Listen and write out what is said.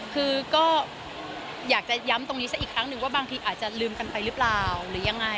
คือก็อยากจะย้ำตรงนี้ซะอีกครั้งหนึ่งว่าบางทีอาจจะลืมกันไปหรือเปล่าหรือยังไง